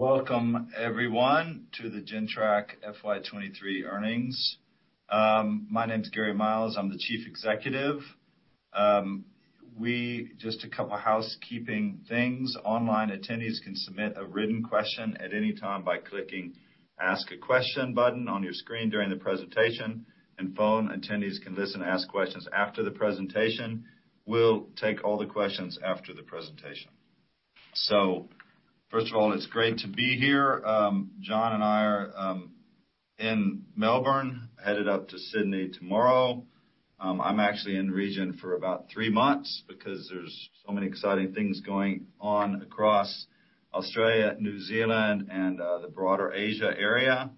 Welcome everyone to the Gentrack FY 2023 Earnings. My name is Gary Miles, I'm the Chief Executive. Just a couple of housekeeping things. Online attendees can submit a written question at any time by clicking Ask a Question button on your screen during the presentation, and phone attendees can listen and ask questions after the presentation. We'll take all the questions after the presentation. First of all, it's great to be here. John and I are in Melbourne, headed up to Sydney tomorrow. I'm actually in the region for about three months because there's so many exciting things going on across Australia, New Zealand, and the broader Asia area.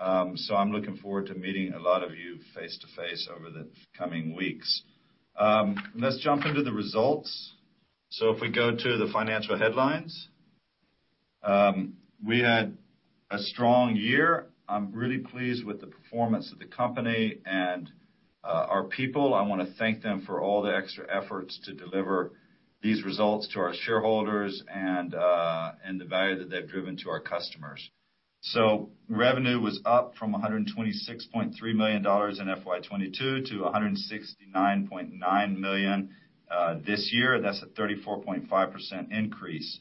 So I'm looking forward to meeting a lot of you face-to-face over the coming weeks. Let's jump into the results. So if we go to the financial headlines, we had a strong year. I'm really pleased with the performance of the company and our people. I want to thank them for all the extra efforts to deliver these results to our shareholders and the value that they've driven to our customers. So revenue was up from 126.3 million dollars in FY 2022 to 169.9 million this year. That's a 34.5 increase.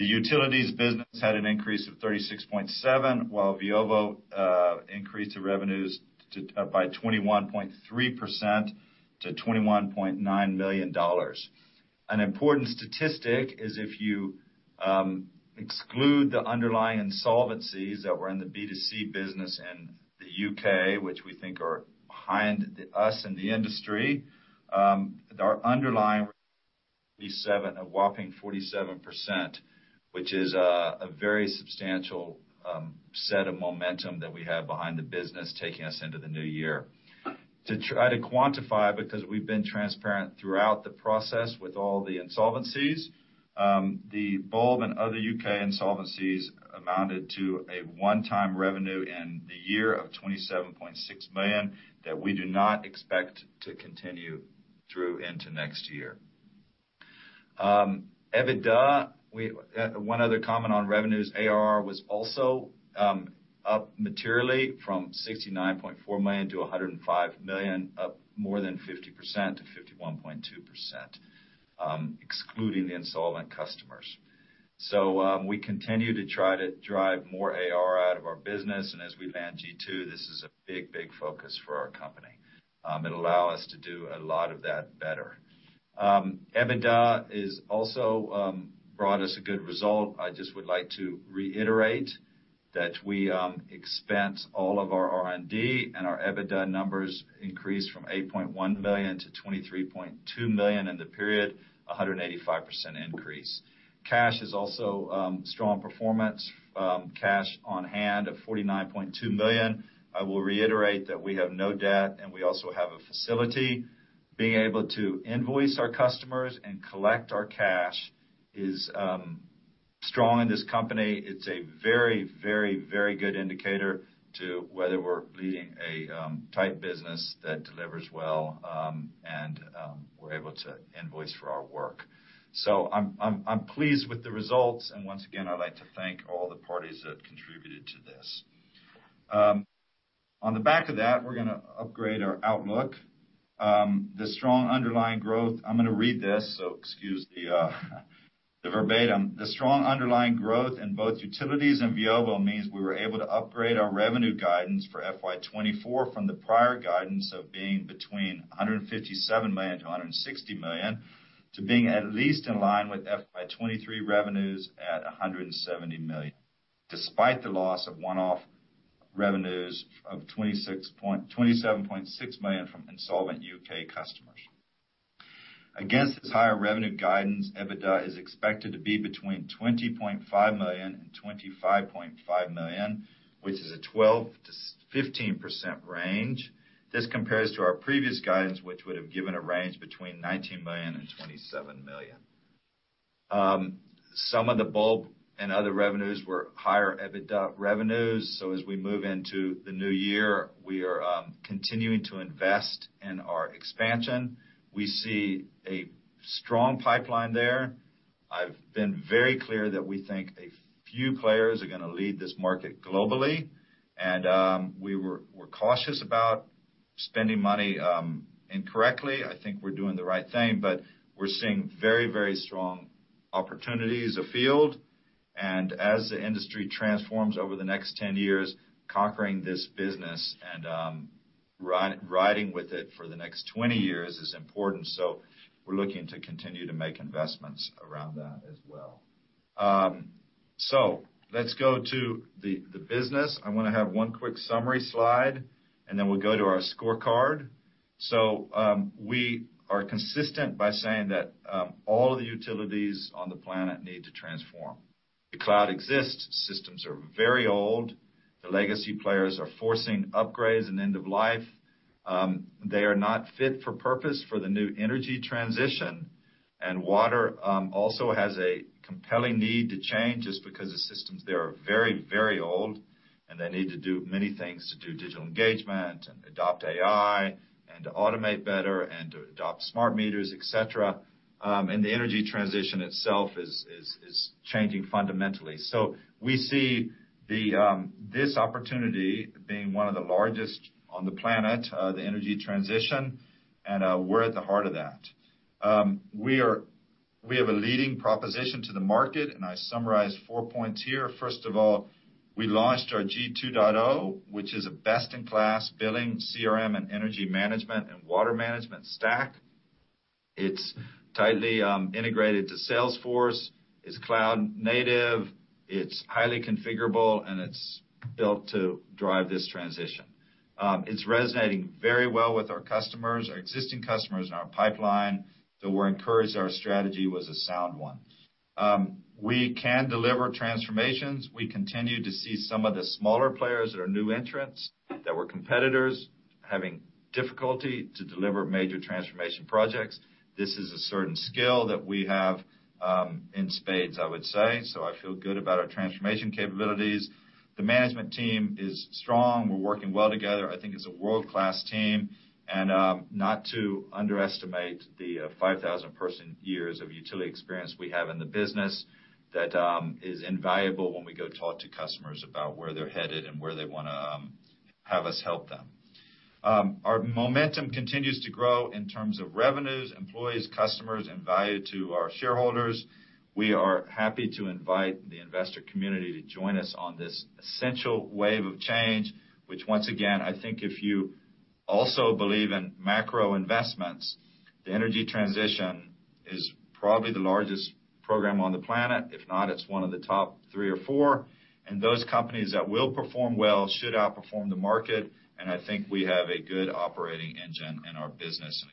The utilities business had an increase of 36.7, while Veovo increased the revenues by 21.3% to 21.9 million dollars. An important statistic is if you exclude the underlying insolvencies that were in the B2C business in the U.K., which we think are behind us and the industry, our underlying revenue, a whopping 47%, which is a very substantial set of momentum that we have behind the business, taking us into the new year. To try to quantify, because we've been transparent throughout the process with all the insolvencies, the Bulb and other U.K. insolvencies amounted to a one-time revenue in the year of 27.6 million that we do not expect to continue through into next year. EBITDA, one other comment on revenues, ARR, was also up materially from 69.4 million to 105 million, up more than 50%-51.2%, excluding the insolvent customers. So, we continue to try to drive more AR out of our business, and as we land G2, this is a big, big focus for our company. It'll allow us to do a lot of that better. EBITDA is also brought us a good result. I just would like to reiterate that we expense all of our R&D, and our EBITDA numbers increased from 8.1 million to 23.2 million in the period, a 185% increase. Cash is also strong performance, cash on hand of 49.2 million. I will reiterate that we have no debt, and we also have a facility. Being able to invoice our customers and collect our cash is strong in this company. It's a very, very, very good indicator to whether we're leading a tight business that delivers well, and we're able to invoice for our work. So I'm pleased with the results, and once again, I'd like to thank all the parties that contributed to this. On the back of that, we're gonna upgrade our outlook. The strong underlying growth... I'm gonna read this, so excuse the verbatim. The strong underlying growth in both utilities and Veovo means we were able to upgrade our revenue guidance for FY 2024 from the prior guidance of being between 157 million-160 million, to being at least in line with FY 2023 revenues at 170 million, despite the loss of one-off revenues of 27.6 million from insolvent UK customers. Against this higher revenue guidance, EBITDA is expected to be between 20.5 million and 25.5 million, which is a 12%-15% range. This compares to our previous guidance, which would have given a range between 19 million and 27 million. Some of the Bulb and other revenues were higher EBITDA revenues, so as we move into the new year, we are continuing to invest in our expansion. We see a strong pipeline there. I've been very clear that we think a few players are gonna lead this market globally, and we're cautious about spending money incorrectly. I think we're doing the right thing, but we're seeing very, very strong opportunities afield. As the industry transforms over the next 10 years, conquering this business and riding with it for the next 20 years is important. So we're looking to continue to make investments around that as well. So let's go to the business. I want to have one quick summary slide, and then we'll go to our scorecard. So, we are consistent by saying that, all the utilities on the planet need to transform. The cloud exists, systems are very old, the legacy players are forcing upgrades and end of life. They are not fit for purpose for the new energy transition, and water also has a compelling need to change just because the systems there are very, very old... and they need to do many things to do digital engagement, and adopt AI, and to automate better, and to adopt smart meters, et cetera. And the energy transition itself is changing fundamentally. So we see this opportunity being one of the largest on the planet, the energy transition, and we're at the heart of that. We have a leading proposition to the market, and I summarized four points here. First of all, we launched our G2.0, which is a best-in-class billing, CRM, and energy management and water management stack. It's tightly integrated to Salesforce, it's cloud native, it's highly configurable, and it's built to drive this transition. It's resonating very well with our customers, our existing customers in our pipeline, so we're encouraged our strategy was a sound one. We can deliver transformations. We continue to see some of the smaller players that are new entrants, that were competitors, having difficulty to deliver major transformation projects. This is a certain skill that we have in spades, I would say, so I feel good about our transformation capabilities. The management team is strong. We're working well together. I think it's a world-class team, and not to underestimate the 5,000 person years of utility experience we have in the business that is invaluable when we go talk to customers about where they're headed and where they wanna have us help them. Our momentum continues to grow in terms of revenues, employees, customers, and value to our shareholders. We are happy to invite the investor community to join us on this essential wave of change, which once again, I think if you also believe in macro investments, the energy transition is probably the largest program on the planet. If not, it's one of the top three or four, and those companies that will perform well should outperform the market, and I think we have a good operating engine in our business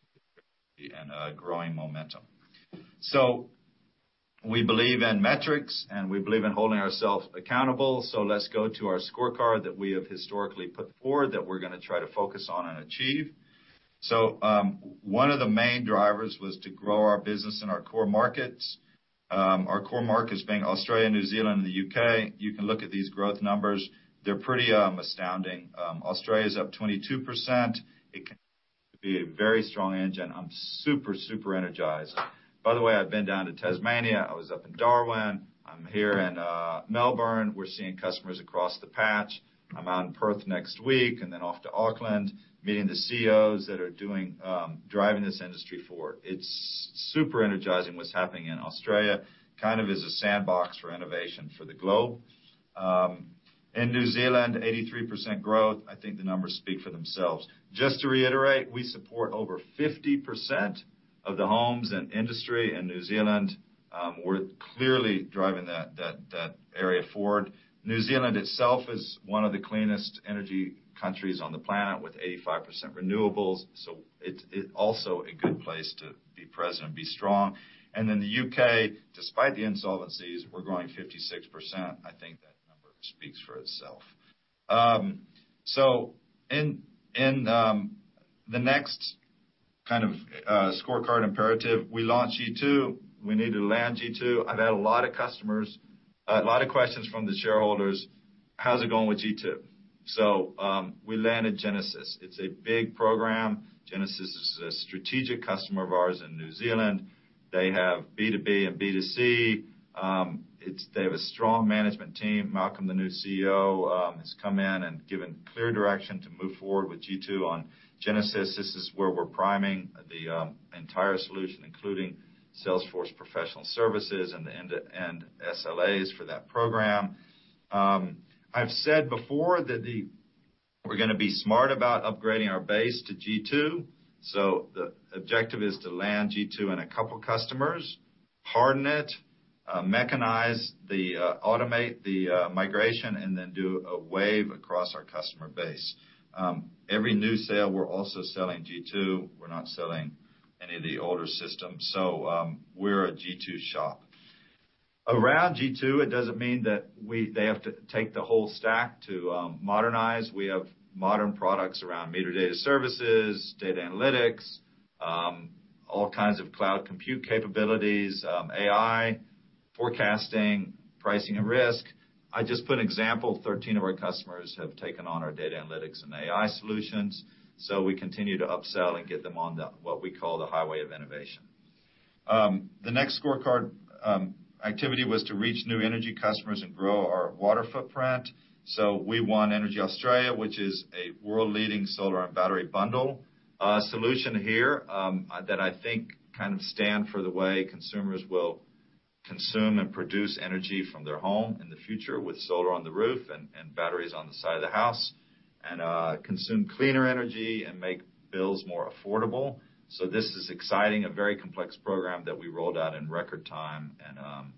and a growing momentum. So we believe in metrics, and we believe in holding ourselves accountable. So let's go to our scorecard that we have historically put forward, that we're gonna try to focus on and achieve. So, one of the main drivers was to grow our business in our core markets. Our core markets being Australia, New Zealand, and the U.K. You can look at these growth numbers. They're pretty astounding. Australia is up 22%. It can be a very strong engine. I'm super, super energized. By the way, I've been down to Tasmania, I was up in Darwin, I'm here in Melbourne. We're seeing customers across the patch. I'm out in Perth next week, and then off to Auckland, meeting the CEOs that are doing, driving this industry forward. It's super energizing what's happening in Australia, kind of is a sandbox for innovation for the globe. In New Zealand, 83% growth. I think the numbers speak for themselves. Just to reiterate, we support over 50% of the homes and industry in New Zealand. We're clearly driving that, that, that area forward. New Zealand itself is one of the cleanest energy countries on the planet, with 85% renewables, so it's, it also a good place to be present and be strong. And then the U.K., despite the insolvencies, we're growing 56%. I think that number speaks for itself. So in, in, the next kind of, scorecard imperative, we launch G2. We need to land G2. I've had a lot of customers-- a lot of questions from the shareholders: "How's it going with G2?" So, we landed Genesis. It's a big program. Genesis is a strategic customer of ours in New Zealand. They have B2B and B2C. It's-- they have a strong management team. Malcolm, the new CEO, has come in and given clear direction to move forward with G2 on Genesis. This is where we're priming the entire solution, including Salesforce professional services and the end-to-end SLAs for that program. I've said before that we're gonna be smart about upgrading our base to G2, so the objective is to land G2 in a couple of customers, harden it, mechanize the automate the migration, and then do a wave across our customer base. Every new sale, we're also selling G2. We're not selling any of the older systems, so, we're a G2 shop. Around G2, it doesn't mean that they have to take the whole stack to modernize. We have modern products around meter data services, data analytics, all kinds of cloud compute capabilities, AI, forecasting, pricing and risk. I just put an example, 13 of our customers have taken on our data analytics and AI solutions, so we continue to upsell and get them on the, what we call the highway of innovation. The next scorecard activity was to reach new energy customers and grow our water footprint. So we won EnergyAustralia, which is a world-leading solar and battery bundle, solution here, that I think kind of stand for the way consumers will consume and produce energy from their home in the future, with solar on the roof and batteries on the side of the house, and consume cleaner energy and make bills more affordable. So this is exciting, a very complex program that we rolled out in record time, and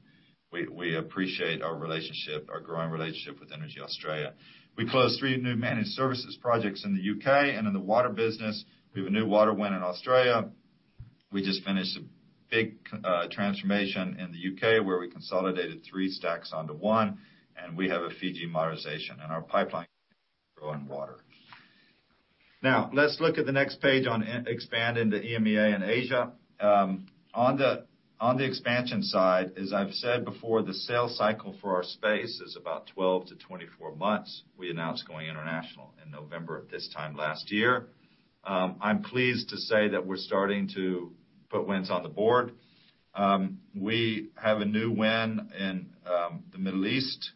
we appreciate our relationship, our growing relationship with EnergyAustralia. We closed three new Managed Services projects in the U.K. and in the water business, we have a new water win in Australia. We just finished a big, transformation in the U.K., where we consolidated three stacks onto one, and we have a Fiji modernization in our pipeline on water. Now, let's look at the next page on expanding to EMEA and Asia. On the expansion side, as I've said before, the sales cycle for our space is about 12-24 months. We announced going international in November of this time last year. I'm pleased to say that we're starting to put wins on the board. We have a new win in the Middle East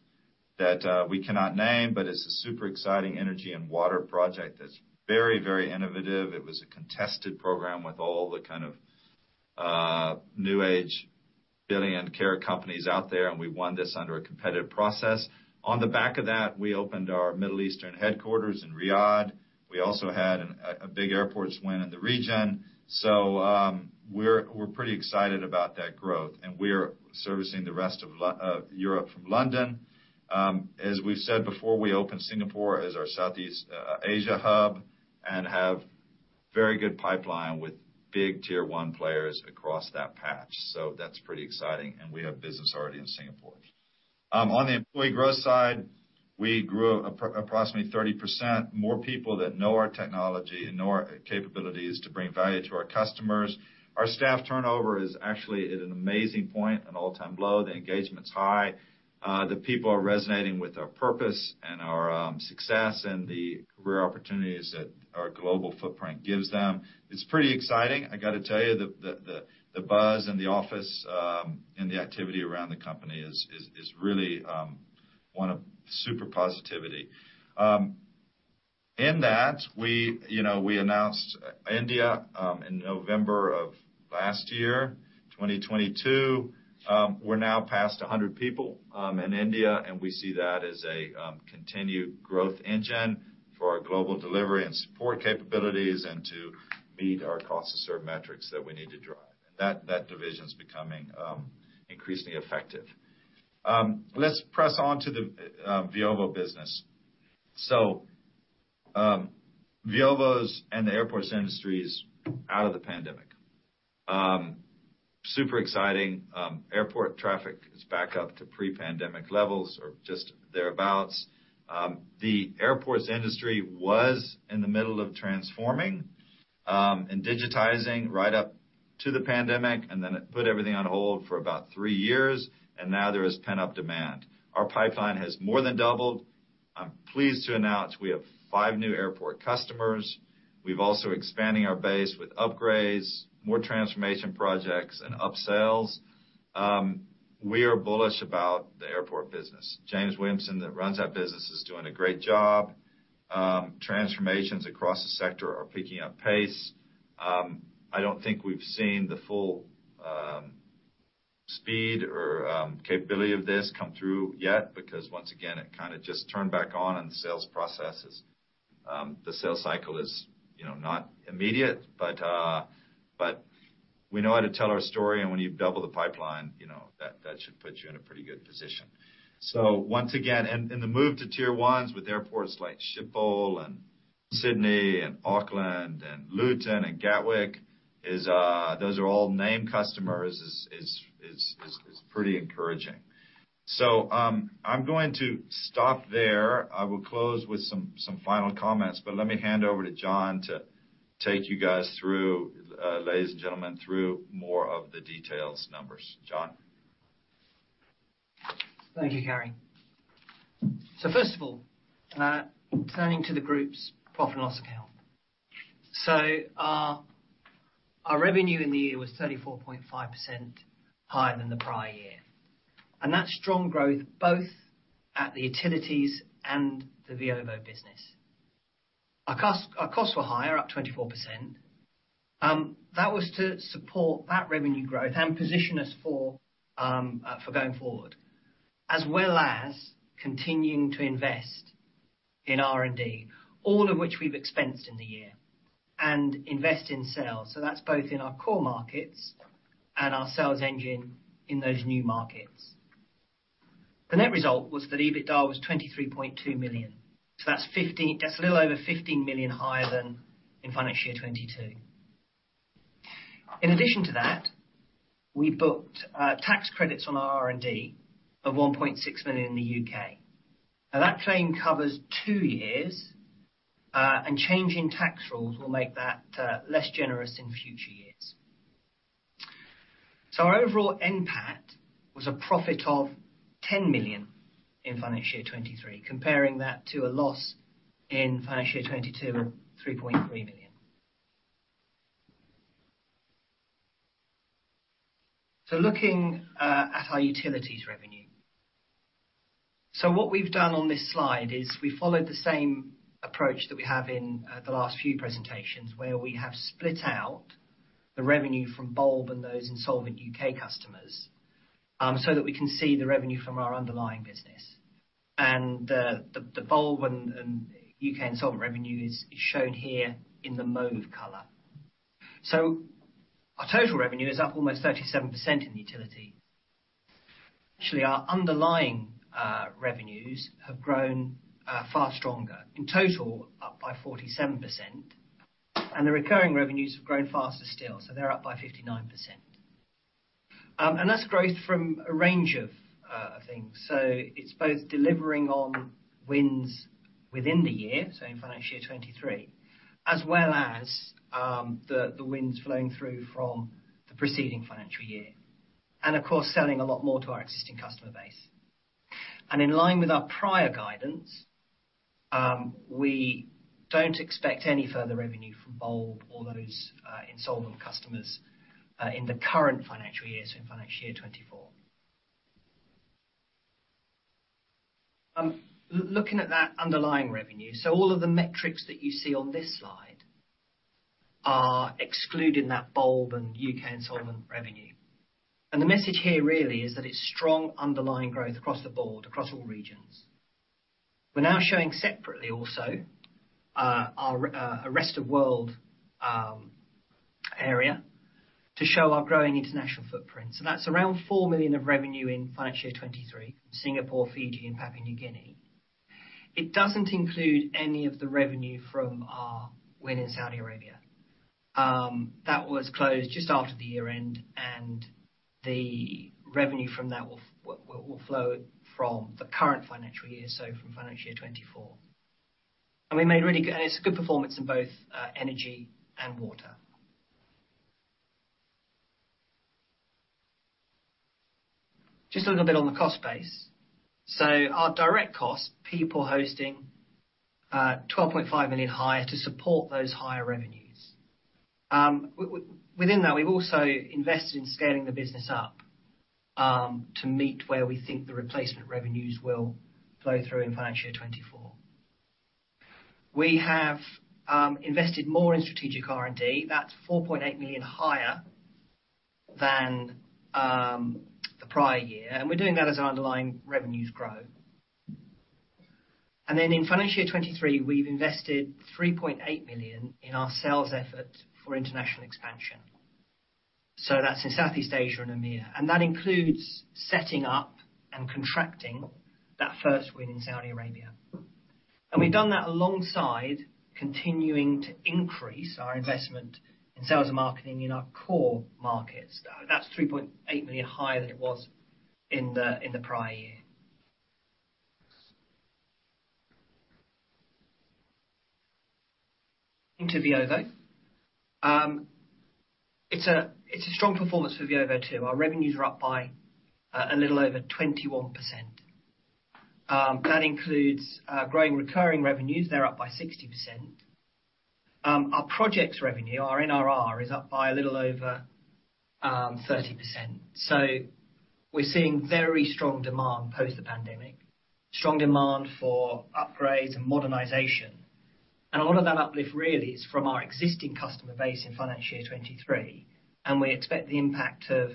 that we cannot name, but it's a super exciting energy and water project that's very, very innovative. It was a contested program with all the kind of New Age billion-dollar companies out there, and we won this under a competitive process. On the back of that, we opened our Middle Eastern headquarters in Riyadh. We also had a big airports win in the region. So, we're pretty excited about that growth, and we are servicing the rest of Europe from London. As we've said before, we opened Singapore as our Southeast Asia hub and have very good pipeline with big tier one players across that patch. So that's pretty exciting, and we have business already in Singapore. On the employee growth side, we grew approximately 30%. More people that know our technology and know our capabilities to bring value to our customers. Our staff turnover is actually at an amazing point, an all-time low. The engagement's high. The people are resonating with our purpose and our success and the career opportunities that our global footprint gives them. It's pretty exciting. I got to tell you that the buzz in the office and the activity around the company is really one of super positivity. In that, we, you know, we announced India in November of last year, 2022. We're now past 100 people in India, and we see that as a continued growth engine for our global delivery and support capabilities and to meet our cost to serve metrics that we need to drive. That division's becoming increasingly effective. Let's press on to the Veovo business. So, Veovo's and the airports industry is out of the pandemic. Super exciting. Airport traffic is back up to pre-pandemic levels or just thereabouts. The airports industry was in the middle of transforming, and digitizing right up to the pandemic, and then it put everything on hold for about three years, and now there is pent-up demand. Our pipeline has more than doubled. I'm pleased to announce we have five new airport customers. We've also expanding our base with upgrades, more transformation projects, and upsales. We are bullish about the airport business. James Williamson, that runs our business, is doing a great job. Transformations across the sector are picking up pace. I don't think we've seen the full speed or capability of this come through yet, because once again, it kind of just turned back on, and the sales process is the sales cycle is, you know, not immediate, but but we know how to tell our story, and when you double the pipeline, you know, that that should put you in a pretty good position. So once again, and the move to tier ones with airports like Schiphol and Sydney and Auckland and Luton and Gatwick is, those are all name customers, pretty encouraging. So, I'm going to stop there. I will close with some final comments, but let me hand over to John to take you guys through, ladies and gentlemen, through more of the details numbers. John? Thank you, Gary. So first of all, turning to the group's profit and loss account. So our revenue in the year was 34.5% higher than the prior year, and that's strong growth, both at the utilities and the Veovo business. Our costs were higher, up 24%. That was to support that revenue growth and position us for going forward, as well as continuing to invest in R&D, all of which we've expensed in the year, and invest in sales. So that's both in our core markets and our sales engine in those new markets. The net result was that EBITDA was 23.2 million. So that's 15-- that's a little over 15 million higher than in financial year 2022. In addition to that, we booked tax credits on our R&D of 1.6 million in the U.K. Now, that claim covers two years, and changing tax rules will make that less generous in future years. So our overall NPAT was a profit of 10 million in financial year 2023, comparing that to a loss in financial year 2022 of 3.3 million. So looking at our utilities revenue. So what we've done on this slide is we followed the same approach that we have in the last few presentations, where we have split out the revenue from Bulb and those insolvent U.K. customers, so that we can see the revenue from our underlying business. And the Bulb and U.K. insolvent revenue is shown here in the mauve color. So our total revenue is up almost 37% in utility. Actually, our underlying revenues have grown far stronger, in total, up by 47%, and the recurring revenues have grown faster still, so they're up by 59%. And that's growth from a range of things. So it's both delivering on wins within the year, so in financial year 2023, as well as the wins flowing through from the preceding financial year, and of course, selling a lot more to our existing customer base. And in line with our prior guidance, we don't expect any further revenue from Bulb or those insolvent customers in the current financial year, so in financial year 2024. Looking at that underlying revenue, so all of the metrics that you see on this slide are excluding that Bulb and UK insolvent revenue. The message here really is that it's strong underlying growth across the board, across all regions. We're now showing separately also our rest of world area to show our growing international footprint. So that's around 4 million of revenue in financial year 2023, Singapore, Fiji, and Papua New Guinea. It doesn't include any of the revenue from our win in Saudi Arabia. That was closed just after the year-end, and the revenue from that will flow from the current financial year, so from financial year 2024. And it's a good performance in both energy and water. Just a little bit on the cost base. So our direct costs, people hosting, 12.5 million higher to support those higher revenues. Within that, we've also invested in scaling the business up to meet where we think the replacement revenues will flow through in financial year 2024. We have invested more in strategic R&D. That's 4.8 million higher than the prior year, and we're doing that as our underlying revenues grow. And then in financial year 2023, we've invested 3.8 million in our sales effort for international expansion. So that's in Southeast Asia and EMEA, and that includes setting up and contracting that first win in Saudi Arabia. And we've done that alongside continuing to increase our investment in sales and marketing in our core markets. That's 3.8 million higher than it was in the prior year. Into Veovo. It's a strong performance for Veovo, too. Our revenues are up by a little over 21%. That includes growing recurring revenues. They're up by 60%. Our projects revenue, our NRR, is up by a little over 30%. So we're seeing very strong demand post the pandemic, strong demand for upgrades and modernization, and a lot of that uplift really is from our existing customer base in financial year 2023, and we expect the impact of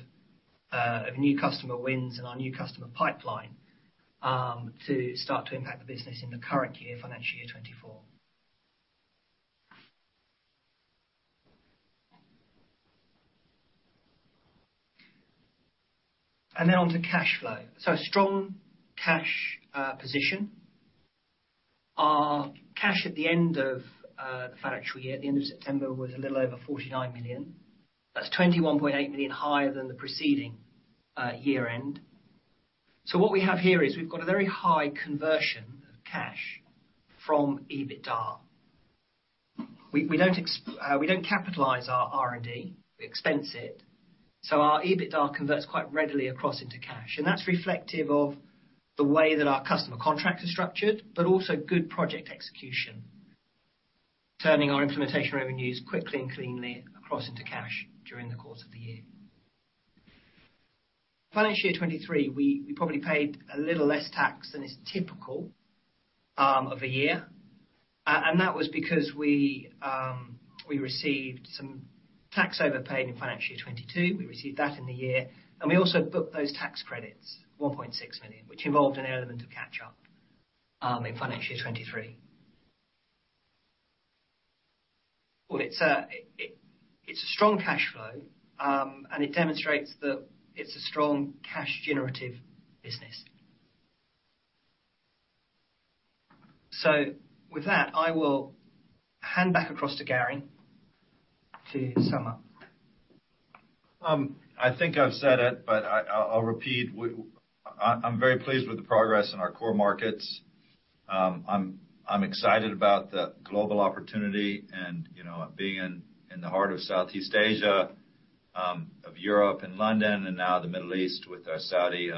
new customer wins and our new customer pipeline to start to impact the business in the current year, financial year 2024. And then on to cash flow. So strong cash position. Our cash at the end of the financial year, at the end of September, was a little over 49 million. That's 21.8 million higher than the preceding year-end. So what we have here is we've got a very high conversion of cash from EBITDA. We don't capitalize our R&D. We expense it, so our EBITDA converts quite readily across into cash, and that's reflective of the way that our customer contracts are structured, but also good project execution, turning our implementation revenues quickly and cleanly across into cash during the course of the year. Financial year 2023, we probably paid a little less tax than is typical of a year, and that was because we received some tax overpaid in financial year 2022. We received that in the year, and we also booked those tax credits, 1.6 million, which involved an element of catch-up in financial year 2023. Well, it's a strong cash flow, and it demonstrates that it's a strong cash generative business. So with that, I will hand back across to Gary to sum up. I think I've said it, but I'll repeat. I'm very pleased with the progress in our core markets. I'm excited about the global opportunity and, you know, being in the heart of Southeast Asia, of Europe and London, and now the Middle East with our Saudi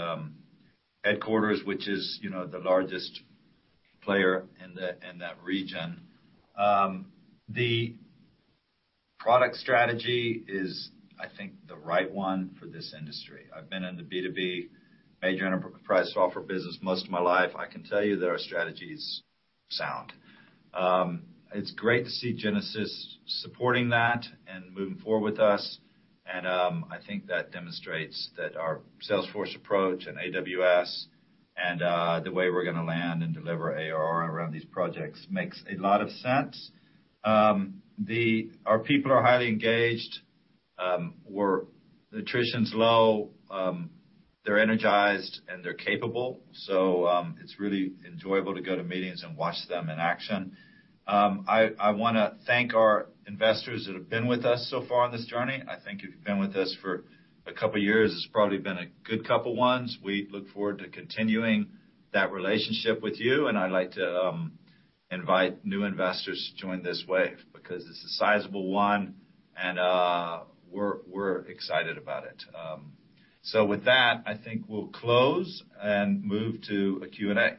headquarters, which is, you know, the largest player in that region. The product strategy is, I think, the right one for this industry. I've been in the B2B major enterprise software business most of my life. I can tell you that our strategy is sound. It's great to see Genesis supporting that and moving forward with us, and I think that demonstrates that our Salesforce approach and AWS and the way we're gonna land and deliver ARR around these projects makes a lot of sense. Our people are highly engaged. Our attrition's low. They're energized, and they're capable, so it's really enjoyable to go to meetings and watch them in action. I wanna thank our investors that have been with us so far on this journey. I think if you've been with us for a couple years, it's probably been a good couple ones. We look forward to continuing that relationship with you, and I'd like to invite new investors to join this wave because it's a sizable one, and we're excited about it. So with that, I think we'll close and move to a Q&A.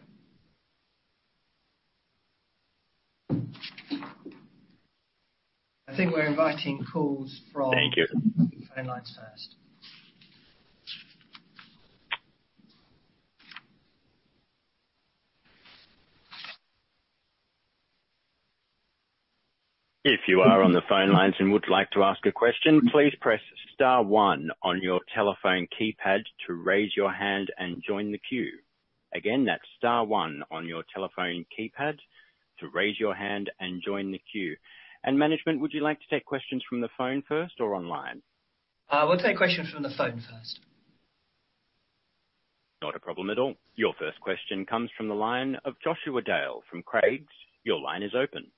I think we're inviting calls from- Thank you. Phone lines first. If you are on the phone lines and would like to ask a question, please press star one on your telephone keypad to raise your hand and join the queue. Again, that's star one on your telephone keypad to raise your hand and join the queue. Management, would you like to take questions from the phone first or online? We'll take questions from the phone first. Not a problem at all. Your first question comes from the line of Joshua Dale from Craigs. Your line is open.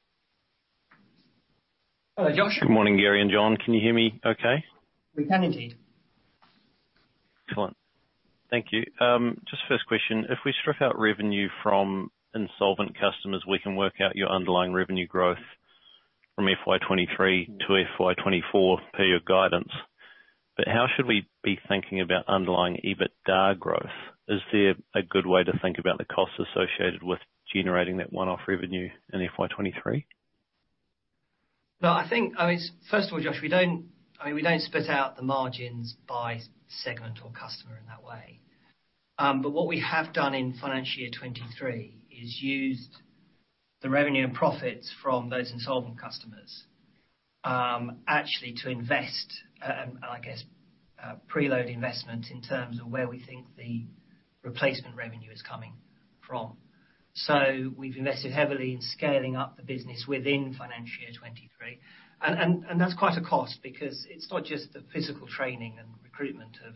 Hello, Joshua. Good morning, Gary and John. Can you hear me okay? We can indeed. Excellent. Thank you. Just first question: If we strip out revenue from insolvent customers, we can work out your underlying revenue growth from FY 2023 to FY 2024 per your guidance. But how should we be thinking about underlying EBITDA growth? Is there a good way to think about the costs associated with generating that one-off revenue in FY 2023? No, I think, I mean, first of all, Josh, we don't, I mean, we don't split out the margins by segment or customer in that way. But what we have done in financial year 2023 is used the revenue and profits from those insolvent customers, actually to invest, and I guess, preload investment in terms of where we think the replacement revenue is coming from. So we've invested heavily in scaling up the business within financial year 2023. And that's quite a cost because it's not just the physical training and recruitment of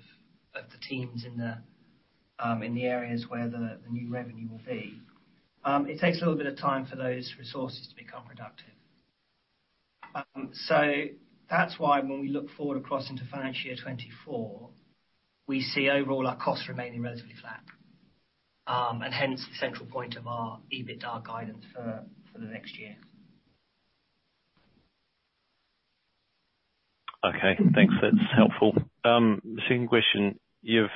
the teams in the areas where the new revenue will be. It takes a little bit of time for those resources to become productive. So that's why when we look forward across into financial year 2024, we see overall our costs remaining relatively flat, and hence the central point of our EBITDA guidance for the next year. Okay, thanks. That's helpful. The second question: You've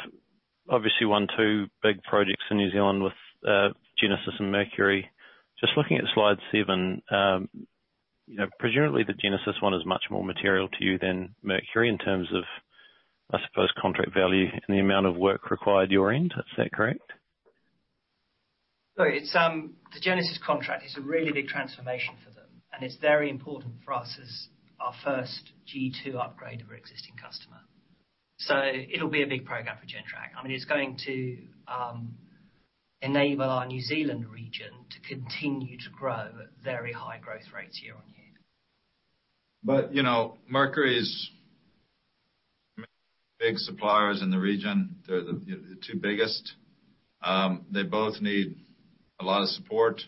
obviously won two big projects in New Zealand with, Genesis and Mercury. Just looking at slide seven, you know, presumably the Genesis one is much more material to you than Mercury in terms of, I suppose, contract value and the amount of work required your end. Is that correct? So it's the Genesis contract is a really big transformation for them, and it's very important for us as our first G2 upgrade of our existing customer. So it'll be a big program for Gentrack. I mean, it's going to enable our New Zealand region to continue to grow at very high growth rates year on year. But, you know, Mercury is big suppliers in the region. They're the, you know, the two biggest. They both need a lot of support.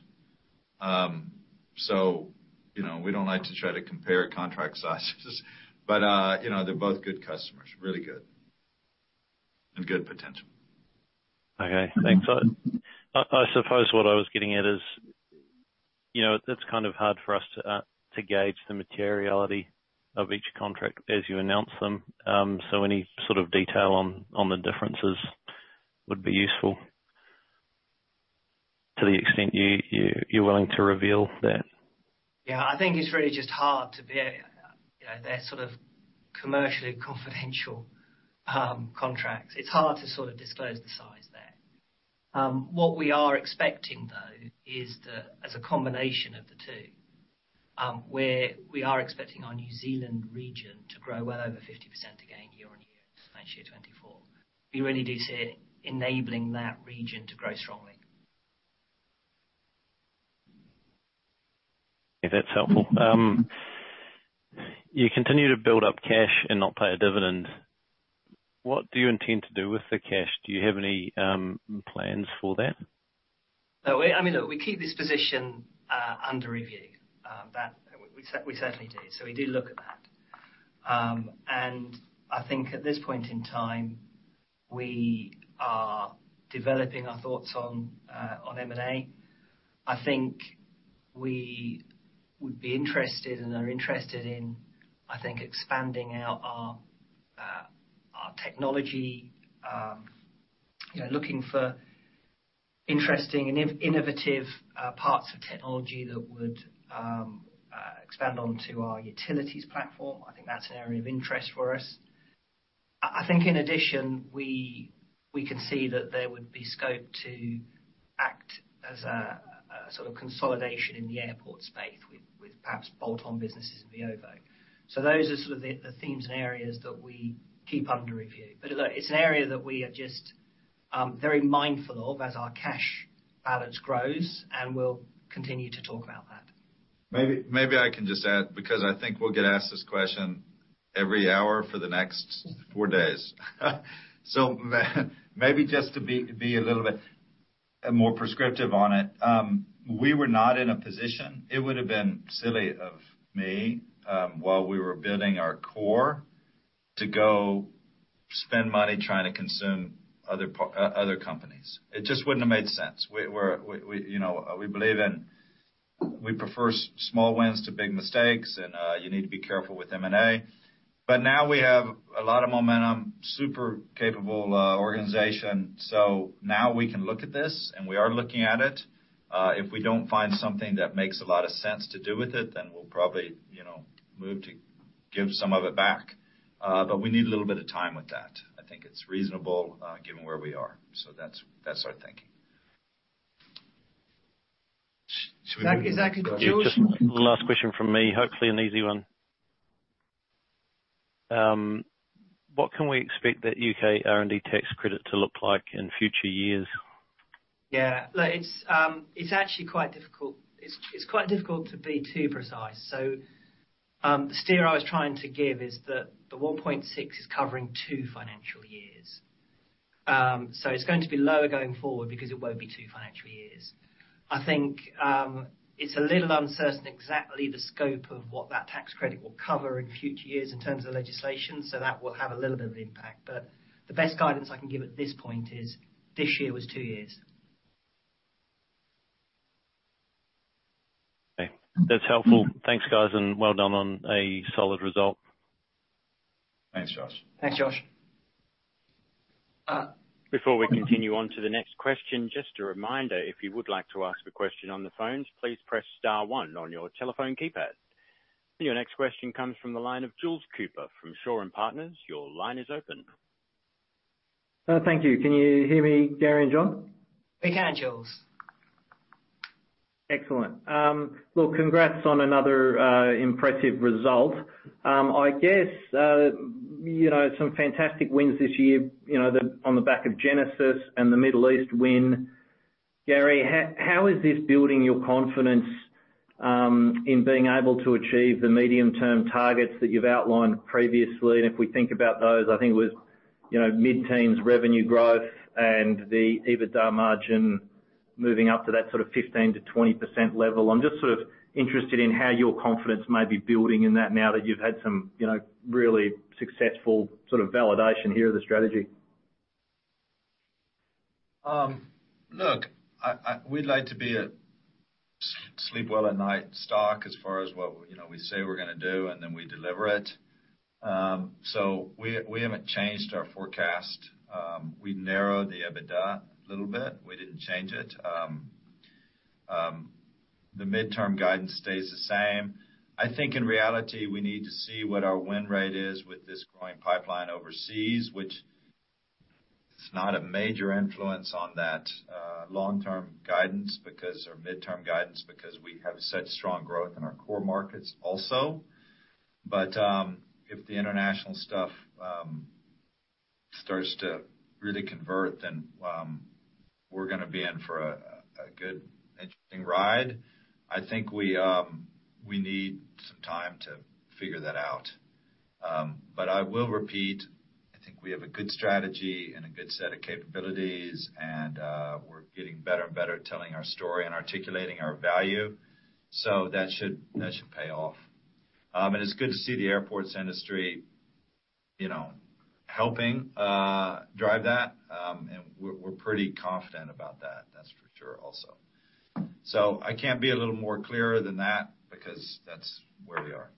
So, you know, we don't like to try to compare contract sizes, but, you know, they're both good customers, really good, and good potential. Okay, thanks. I suppose what I was getting at is, you know, that's kind of hard for us to gauge the materiality of each contract as you announce them. So any sort of detail on the differences would be useful to the extent you're willing to reveal that. Yeah, I think it's really just hard to be able-- You know, they're sort of commercially confidential contracts. It's hard to sort of disclose the size there. What we are expecting, though, is the, as a combination of the two, we are expecting our New Zealand region to grow well over 50% again, year-on-year, in financial year 2024. We really do see it enabling that region to grow strongly. Yeah, that's helpful. You continue to build up cash and not pay a dividend. What do you intend to do with the cash? Do you have any plans for that? No, I mean, look, we keep this position under review, that we certainly do. So we do look at that. And I think at this point in time, we are developing our thoughts on M&A. I think we would be interested and are interested in, I think, expanding out our technology, you know, looking for interesting and innovative parts of technology that would expand onto our utilities platform. I think that's an area of interest for us. I think in addition, we can see that there would be scope to act as a sort of consolidation in the airport space with perhaps bolt-on businesses in the over. So those are sort of the themes and areas that we keep under review. But look, it's an area that we are just-... Very mindful of as our cash balance grows, and we'll continue to talk about that. Maybe, maybe I can just add, because I think we'll get asked this question every hour for the next four days. So maybe just to be a little bit more prescriptive on it. We were not in a position. It would have been silly of me, while we were building our core, to go spend money trying to consume other companies. It just wouldn't have made sense. We're, you know, we believe in - we prefer small wins to big mistakes, and you need to be careful with M&A. But now we have a lot of momentum, super capable organization. So now we can look at this, and we are looking at it. If we don't find something that makes a lot of sense to do with it, then we'll probably, you know, move to give some of it back. But we need a little bit of time with that. I think it's reasonable, given where we are. So that's, that's our thinking. Exactly, exactly, Josh- Just one last question from me, hopefully an easy one. What can we expect that UK R&D tax credit to look like in future years? Yeah, look, it's actually quite difficult. It's quite difficult to be too precise. So, the steer I was trying to give is that the 1.6 is covering two financial years. So, it's going to be lower going forward because it won't be two financial years. I think, it's a little uncertain exactly the scope of what that tax credit will cover in future years in terms of legislation, so that will have a little bit of impact. But the best guidance I can give at this point is, this year was two years. Okay. That's helpful. Thanks, guys, and well done on a solid result. Thanks, Josh. Thanks, Josh. Before we continue on to the next question, just a reminder, if you would like to ask a question on the phone, please press star one on your telephone keypad. Your next question comes from the line of Jules Cooper from Shaw and Partners. Your line is open. Thank you. Can you hear me, Gary and John? We can, Jules. Excellent. Look, congrats on another impressive result. I guess, you know, some fantastic wins this year, you know, on the back of Genesis and the Middle East win. Gary, how is this building your confidence in being able to achieve the medium-term targets that you've outlined previously? And if we think about those, I think it was, you know, mid-teens revenue growth and the EBITDA margin moving up to that sort of 15%-20% level. I'm just sort of interested in how your confidence may be building in that now that you've had some, you know, really successful sort of validation here of the strategy. Look, we'd like to be a sleep-well-at-night stock as far as what, you know, we say we're gonna do, and then we deliver it. So we haven't changed our forecast. We narrowed the EBITDA a little bit. We didn't change it. The midterm guidance stays the same. I think in reality, we need to see what our win rate is with this growing pipeline overseas, which is not a major influence on that long-term guidance, because or midterm guidance, because we have such strong growth in our core markets also. But if the international stuff starts to really convert, then we're gonna be in for a good interesting ride. I think we need some time to figure that out. But I will repeat, I think we have a good strategy and a good set of capabilities, and we're getting better and better at telling our story and articulating our value, so that should, that should pay off. And it's good to see the airports industry, you know, helping drive that, and we're pretty confident about that. That's for sure, also. So I can't be a little more clearer than that because that's where we are.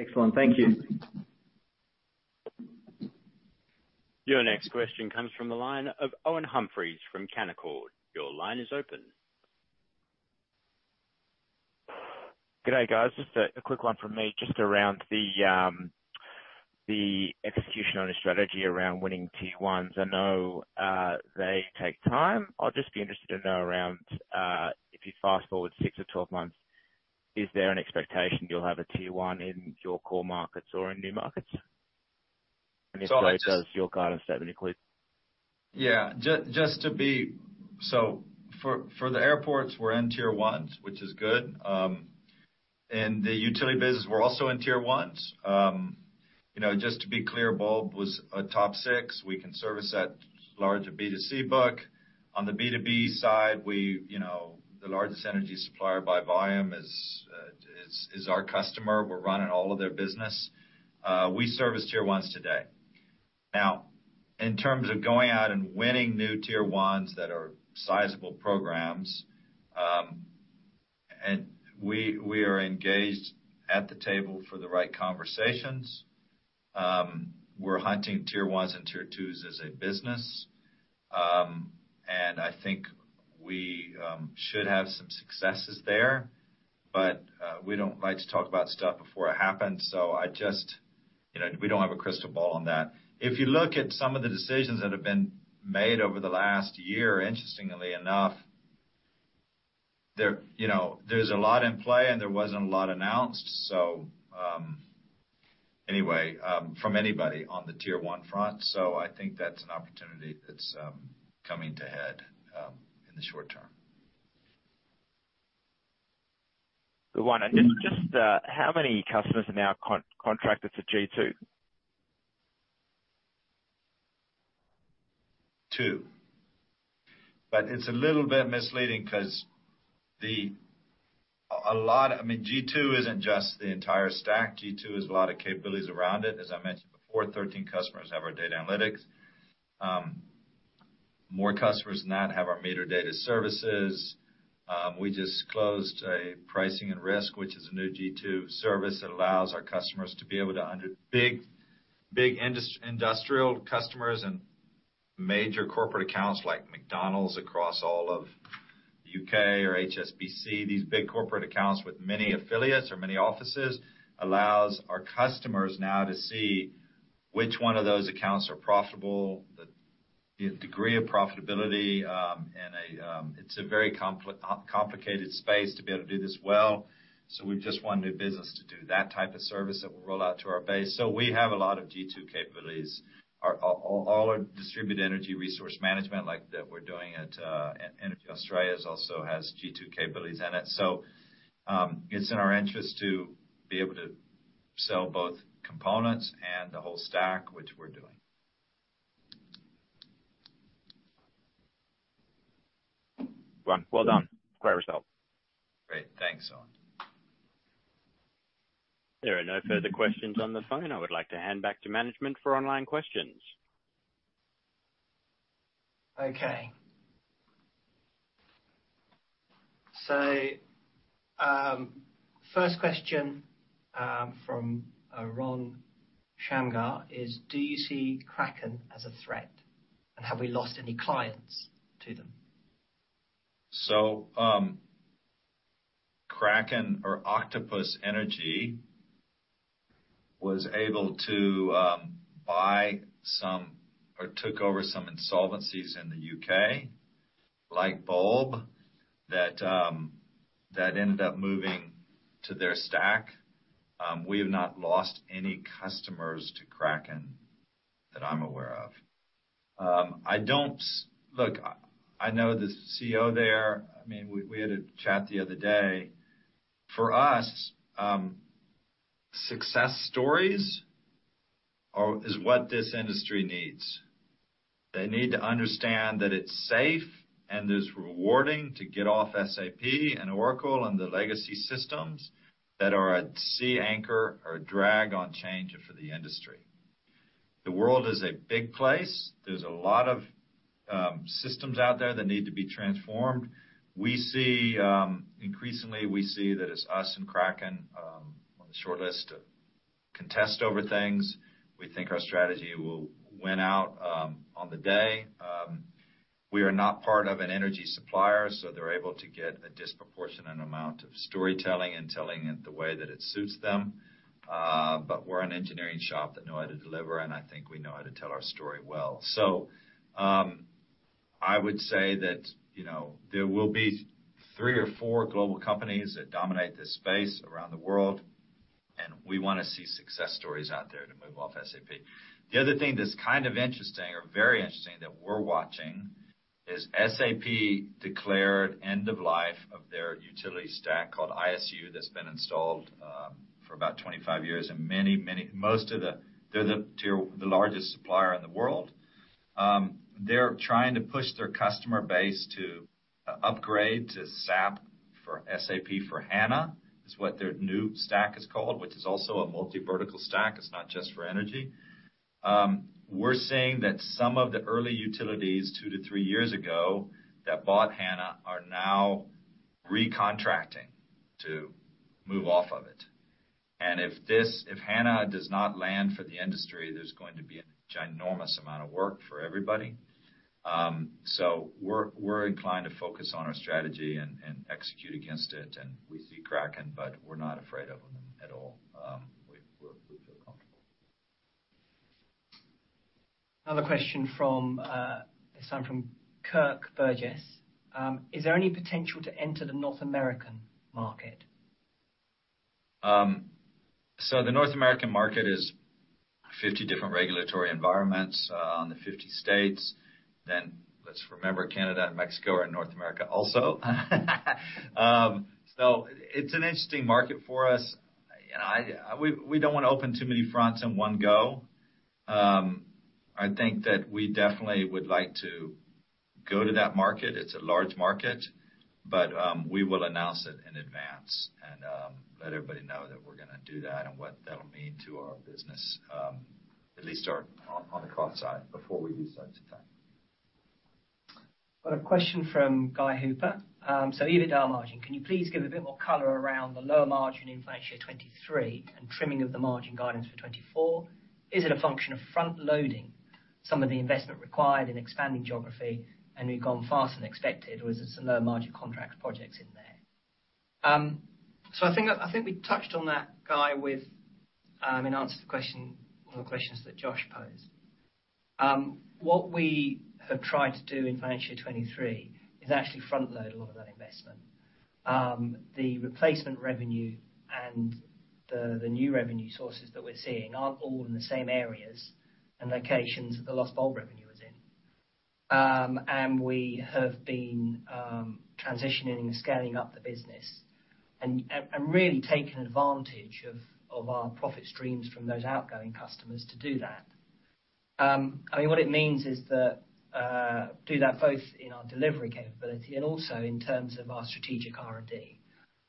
Excellent. Thank you. Your next question comes from the line of Owen Humphries from Canaccord. Your line is open. Good day, guys. Just a quick one from me, just around the execution on your strategy around winning tier ones. I know, they take time. I'll just be interested to know around, if you fast-forward six or 12 months, is there an expectation you'll have a tier one in your core markets or in new markets? And if so, does your guidance set include? Yeah, just to be... So for the airports, we're in tier ones, which is good. In the utility business, we're also in tier ones. You know, just to be clear, Bulb was a top six. We can service that large A, B, to C book. On the B2B side, you know, the largest energy supplier by volume is our customer. We're running all of their business. We service tier ones today. Now, in terms of going out and winning new tier ones that are sizable programs, we are engaged at the table for the right conversations. We're hunting tier ones and tier twos as a business. I think we should have some successes there, but we don't like to talk about stuff before it happens, so I just, you know, we don't have a crystal ball on that. If you look at some of the decisions that have been made over the last year, interestingly enough. There, you know, there's a lot in play, and there wasn't a lot announced, so anyway, from anybody on the tier one front. So I think that's an opportunity that's coming to a head in the short term. Good one. And just, just, how many customers are now contracted to G2? Two. But it's a little bit misleading 'cause I mean, G2 isn't just the entire stack. G2 is a lot of capabilities around it. As I mentioned before, 13 customers have our data analytics. More customers than that have our meter data services. We just closed a pricing and risk, which is a new G2 service that allows our customers to be able to under big industrial customers and major corporate accounts like McDonald's across all of UK or HSBC. These big corporate accounts with many affiliates or many offices allows our customers now to see which one of those accounts are profitable, the degree of profitability, and a... It's a very complicated space to be able to do this well, so we've just won new business to do that type of service that will roll out to our base. So we have a lot of G2 capabilities. All our distributed energy resource management, like that we're doing at Energy Australia, also has G2 capabilities in it. So it's in our interest to be able to sell both components and the whole stack, which we're doing. Well, well done. Clear result. Great. Thanks, Owen. There are no further questions on the phone. I would like to hand back to management for online questions. Okay. So, first question from Ron Shamgar is, do you see Kraken as a threat, and have we lost any clients to them? So, Kraken or Octopus Energy was able to buy some or took over some insolvencies in the U.K., like Bulb, that that ended up moving to their stack. We have not lost any customers to Kraken, that I'm aware of. I don't... Look, I know the CEO there. I mean, we, we had a chat the other day. For us, success stories are- is what this industry needs. They need to understand that it's safe, and it's rewarding to get off SAP and Oracle and the legacy systems that are at sea anchor or a drag on change for the industry. The world is a big place. There's a lot of systems out there that need to be transformed. We see, increasingly, we see that it's us and Kraken on the short list to contest over things. We think our strategy will win out, on the day. We are not part of an energy supplier, so they're able to get a disproportionate amount of storytelling and telling it the way that it suits them. But we're an engineering shop that know how to deliver, and I think we know how to tell our story well. So, I would say that, you know, there will be three or four global companies that dominate this space around the world, and we wanna see success stories out there to move off SAP. The other thing that's kind of interesting or very interesting that we're watching, is SAP declared end of life of their utility stack, called IS-U, that's been installed, for about 25 years, and many, most of the—they're the tier. The largest supplier in the world. They're trying to push their customer base to upgrade to SAP S/4HANA, which is what their new stack is called. It's also a multi-vertical stack. It's not just for energy. We're seeing that some of the early utilities, two to three years ago, that bought SAP S/4HANA are now recontracting to move off of it. If SAP S/4HANA does not land for the industry, there's going to be a ginormous amount of work for everybody. We're inclined to focus on our strategy and execute against it. We see Kraken, but we're not afraid of them at all. We feel comfortable. Another question from, this time from Kirk Burgess. Is there any potential to enter the North American market? So the North American market is 50 different regulatory environments on the 50 states. Then let's remember, Canada and Mexico are in North America also. So it's an interesting market for us, and we don't want to open too many fronts in one go. I think that we definitely would like to go to that market. It's a large market, but we will announce it in advance and let everybody know that we're gonna do that and what that'll mean to our business, at least on the cost side, before we do so to time. Got a question from Guy Hooper. So EBITDA margin, can you please give a bit more color around the lower margin in financial 2023 and trimming of the margin guidance for 2024? Is it a function of front-loading some of the investment required in expanding geography, and you've gone faster than expected, or is it some low-margin contract projects in there? So I think we touched on that, Guy, with in answer to the question or the questions that Josh posed. What we have tried to do in financial 2023 is actually front load a lot of that investment. The replacement revenue and the new revenue sources that we're seeing aren't all in the same areas and locations that the lost Bulb revenue was in. We have been transitioning and scaling up the business and really taking advantage of our profit streams from those outgoing customers to do that. I mean, what it means is that do that both in our delivery capability and also in terms of our strategic R&D.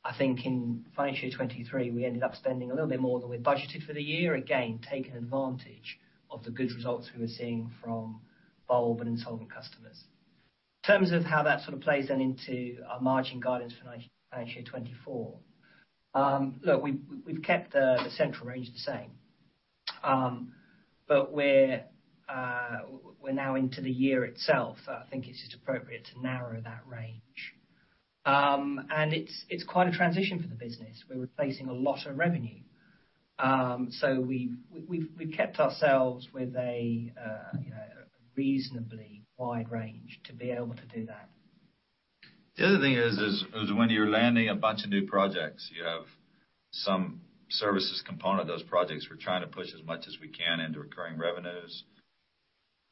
I think in financial 2023, we ended up spending a little bit more than we budgeted for the year, again, taking advantage of the good results we were seeing from Bulb and insolvent customers. In terms of how that sort of plays then into our margin guidance for financial 2024, look, we've kept the central range the same. But we're now into the year itself. I think it's just appropriate to narrow that range. It's quite a transition for the business. We're replacing a lot of revenue. So we've kept ourselves with a you know, reasonably wide range to be able to do that. The other thing is when you're landing a bunch of new projects, you have some services component of those projects. We're trying to push as much as we can into recurring revenues,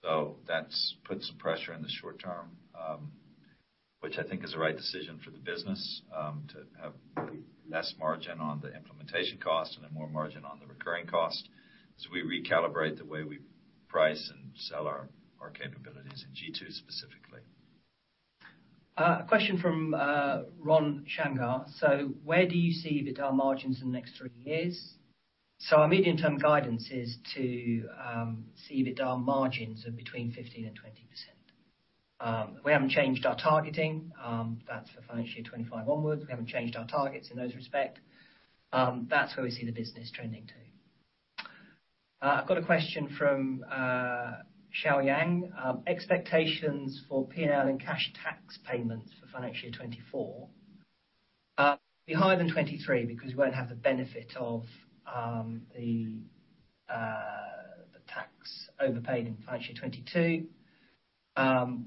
so that's put some pressure in the short term, which I think is the right decision for the business, to have less margin on the implementation cost and a more margin on the recurring cost as we recalibrate the way we price and sell our capabilities in G2, specifically. A question from Ron Shamgar: So where do you see EBITDA margins in the next three years? So our medium-term guidance is to see EBITDA margins of between 15%-20%. We haven't changed our targeting. That's for financial year 25 onwards. We haven't changed our targets in those respect. That's where we see the business trending to. I've got a question from Xiao Yang. Expectations for PNL and cash tax payments for financial year 24? Be higher than 23, because we won't have the benefit of the tax overpaid in financial 22.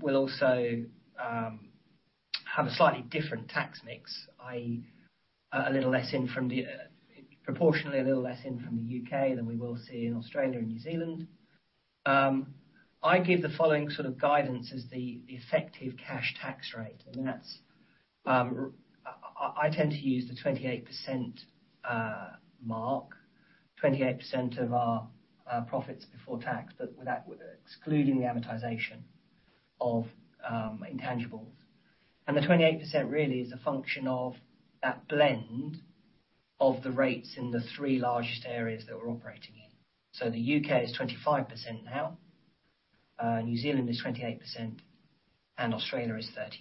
We'll also have a slightly different tax mix, i.e., a little less in from the proportionally, a little less in from the U.K. than we will see in Australia and New Zealand. I give the following sort of guidance as the effective cash tax rate, and that's... I tend to use the 28% mark, 28% of our profits before tax, but excluding the amortization of intangibles. And the 28% really is a function of that blend of the rates in the three largest areas that we're operating in. So the U.K. is 25% now, New Zealand is 28%, and Australia is 30%.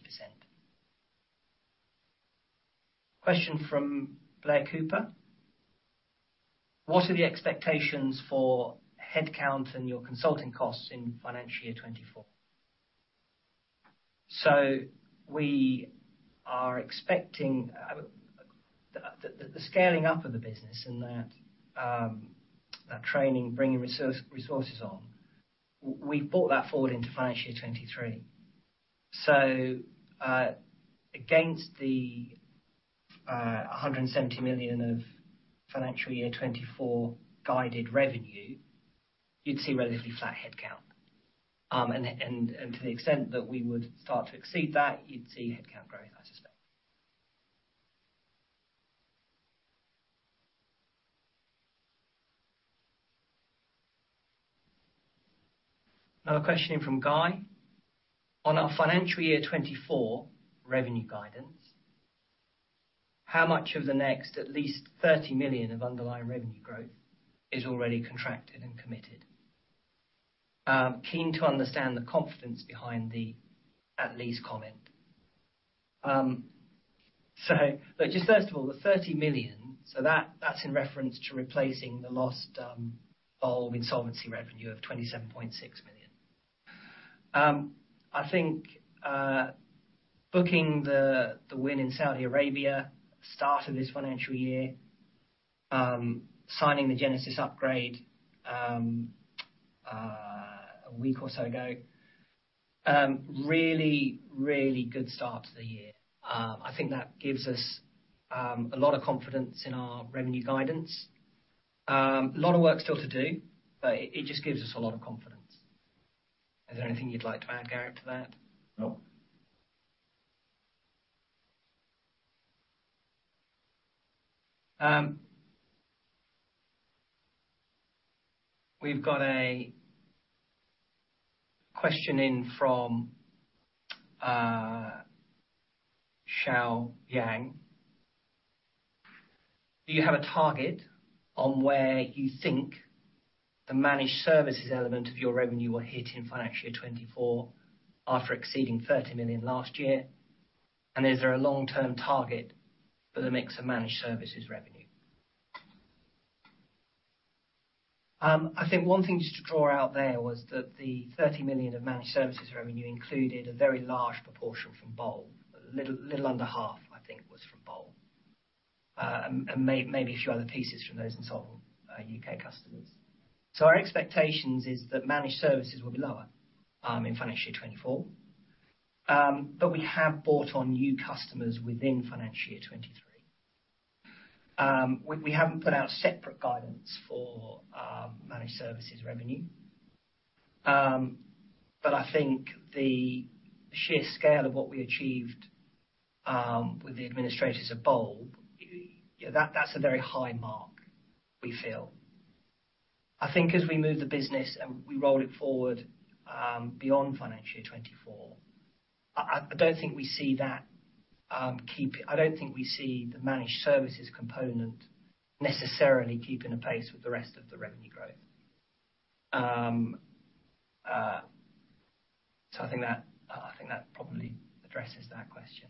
Question from Blair Cooper: What are the expectations for headcount and your consulting costs in financial year 2024? So we are expecting the scaling up of the business and that training, bringing resources on, we've brought that forward into financial year 2023. So, against the 170 million of financial year 2024 guided revenue, you'd see relatively flat headcount. And to the extent that we would start to exceed that, you'd see headcount growing, I suspect. Another question in from Guy: On our financial year 2024 revenue guidance, how much of the next, at least 30 million of underlying revenue growth is already contracted and committed? Keen to understand the confidence behind the at least comment. So just first of all, the 30 million, so that's in reference to replacing the lost Bulb insolvency revenue of 27.6 million. I think booking the win in Saudi Arabia, start of this financial year, signing the Genesis upgrade a week or so ago, really good start to the year. I think that gives us a lot of confidence in our revenue guidance. A lot of work still to do, but it, it just gives us a lot of confidence. Is there anything you'd like to add, Garrett, to that? No. We've got a question in from Xiao Yang: Do you have a target on where you think the managed services element of your revenue will hit in financial year 2024, after exceeding 30 million last year? And is there a long-term target for the mix of managed services revenue? I think one thing just to draw out there was that the 30 million of managed services revenue included a very large proportion from Bulb. A little under half, I think, was from Bulb. And maybe a few other pieces from those and some UK customers. So our expectations is that managed services will be lower in financial year 2024. But we have brought on new customers within financial year 2023. We haven't put out separate guidance for managed services revenue. But I think the sheer scale of what we achieved, with the administrators at Bulb, you know, that, that's a very high mark, we feel. I think as we move the business and we roll it forward, beyond financial year 2024, I don't think we see that, I don't think we see the managed services component necessarily keeping pace with the rest of the revenue growth. So I think that, I think that probably addresses that question.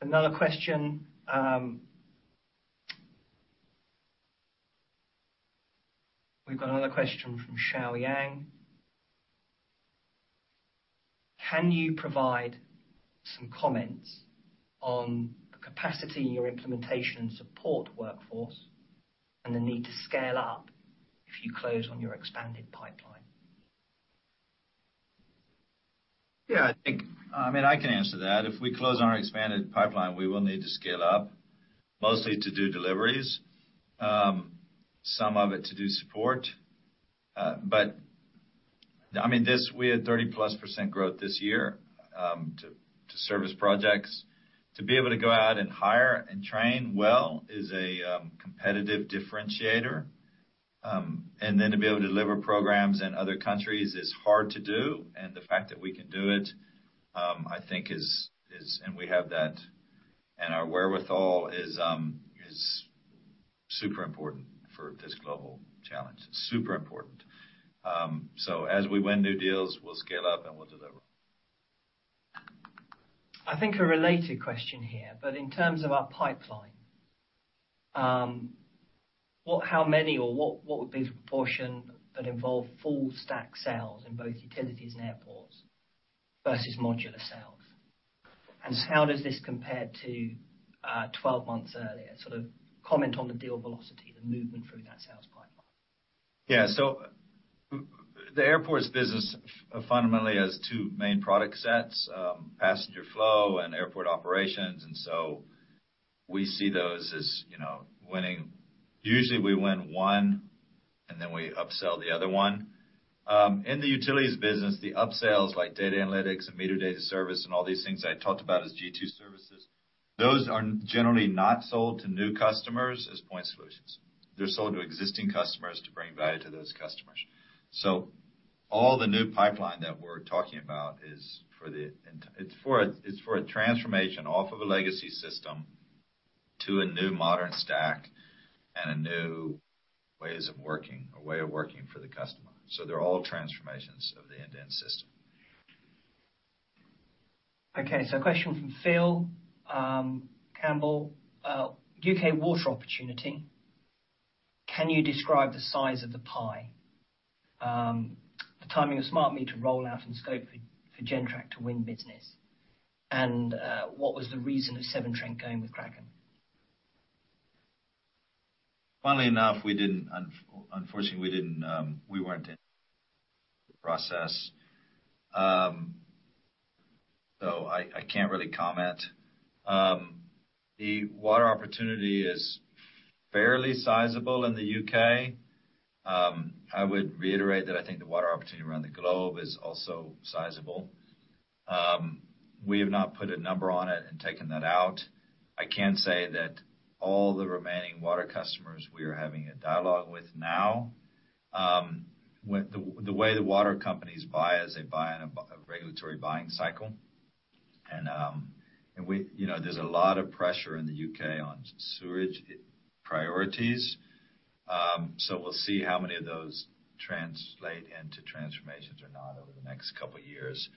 Another question... We've got another question from Xiao Yang: Can you provide some comments on the capacity in your implementation and support workforce, and the need to scale up if you close on your expanded pipeline? Yeah, I think, I mean, I can answer that. If we close on our expanded pipeline, we will need to scale up, mostly to do deliveries, some of it to do support. But, I mean, this—we had 30%+ growth this year, to service projects. To be able to go out and hire and train well is a competitive differentiator, and then to be able to deliver programs in other countries is hard to do, and the fact that we can do it, I think is—and we have that, and our wherewithal is super important for this global challenge. Super important. So as we win new deals, we'll scale up, and we'll deliver. I think a related question here, but in terms of our pipeline, how many or what would be the proportion that involve full stack sales in both utilities and airports versus modular sales? And how does this compare to 12 months earlier? Sort of comment on the deal velocity, the movement through that sales pipeline. Yeah. So the airports business fundamentally has two main product sets, passenger flow and airport operations, and so we see those as, you know, winning. Usually, we win one, and then we upsell the other one. In the utilities business, the upsales, like data analytics and meter data service and all these things I talked about as G2 services, those are generally not sold to new customers as point solutions. They're sold to existing customers to bring value to those customers. So all the new pipeline that we're talking about is for a, it's for a transformation off of a legacy system to a new modern stack and a new ways of working, a way of working for the customer. So they're all transformations of the end-to-end system. Okay, so a question from Phil Campbell. UK Water opportunity, can you describe the size of the pie, the timing of smart meter rollout and scope for Gentrack to win business? And, what was the reason of Severn Trent going with Kraken? Funnily enough, we didn't, unfortunately, we didn't, we weren't in the process. So I, I can't really comment. The water opportunity is fairly sizable in the U.K. I would reiterate that I think the water opportunity around the globe is also sizable. We have not put a number on it and taken that out. I can say that all the remaining water customers we are having a dialogue with now, with the way the water companies buy is they buy in a regulatory buying cycle. And, and we... You know, there's a lot of pressure in the U.K. on sewage priorities, so we'll see how many of those translate into transformations or not over the next couple of years.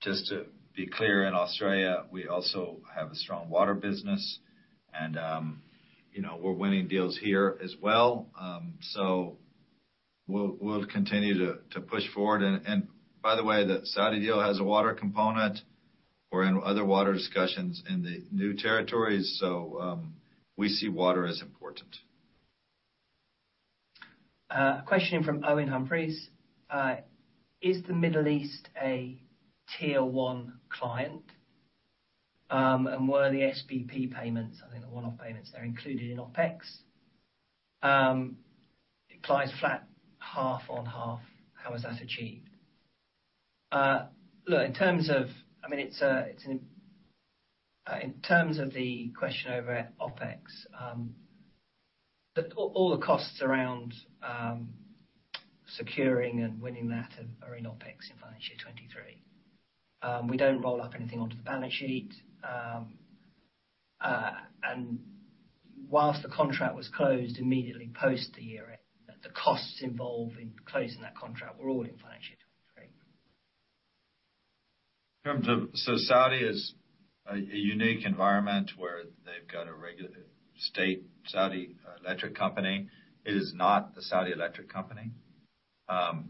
Just to be clear, in Australia, we also have a strong water business, and, you know, we're winning deals here as well. So we'll continue to push forward. And by the way, the Saudi deal has a water component. We're in other water discussions in the new territories, so, we see water as important. A question from Owen Humphries: Is the Middle East a tier one client? And were the SBP payments, I think the one-off payments, they're included in OpEx. Declines flat, half on half. How is that achieved? Look, in terms of... I mean, it's a, it's an... In terms of the question over OpEx, all the costs around securing and winning that are in OpEx in financial year 2023. We don't roll up anything onto the balance sheet. And whilst the contract was closed immediately post the year, the costs involved in closing that contract were all in financial year 2023. So Saudi is a unique environment where they've got a regular state, Saudi Electric Company. It is not the Saudi Electric Company.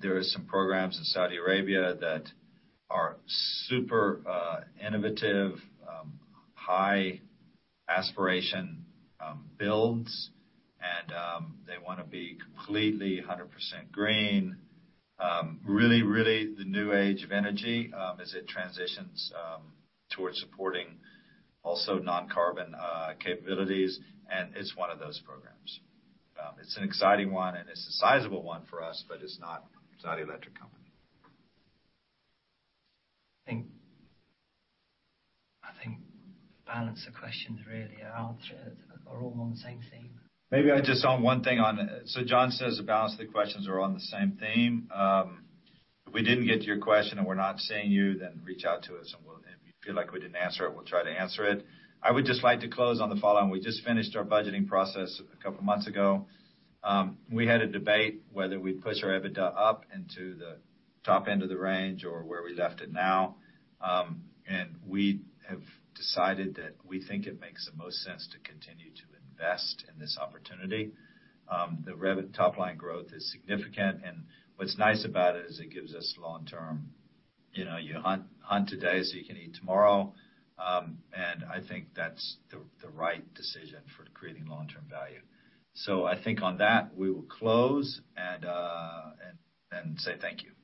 There are some programs in Saudi Arabia that are super innovative, high-aspiration builds, and they wanna be completely 100% green. Really, really the new age of energy, as it transitions towards supporting also non-carbon capabilities, and it's one of those programs. It's an exciting one, and it's a sizable one for us, but it's not Saudi Electric Company. I think the balance of questions really are all on the same theme. Maybe I just on one thing on. So John says the balance of the questions are on the same theme. If we didn't get to your question and we're not seeing you, then reach out to us, and we'll—if you feel like we didn't answer it, we'll try to answer it. I would just like to close on the following: We just finished our budgeting process a couple of months ago. We had a debate whether we'd push our EBITDA up into the top end of the range or where we left it now, and we have decided that we think it makes the most sense to continue to invest in this opportunity. The rev top line growth is significant, and what's nice about it is it gives us long-term. You know, you hunt, hunt today, so you can eat tomorrow. I think that's the right decision for creating long-term value. So I think on that, we will close and say thank you.